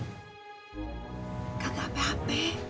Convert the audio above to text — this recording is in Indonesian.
gak ada ape ape